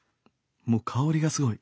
もう香りがすごい。